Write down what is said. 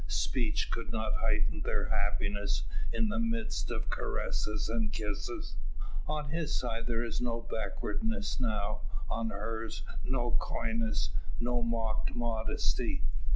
Speech could not heighten their happiness, in the midst of caresses and kisses. On his side there is no backwardness now; on hers no coyness, no mock modesty.